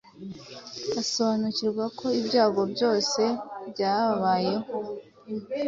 Asobanukirwa ko ibyago byose byababayeho